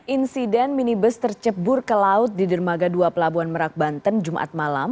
insiden minibus tercebur ke laut di dermaga dua pelabuhan merak banten jumat malam